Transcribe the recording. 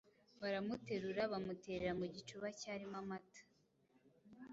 baramuterura bamuterera mu gicuba cyarimo amata